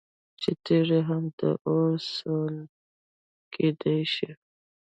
چې تيږي هم د اور سوند كېدى شي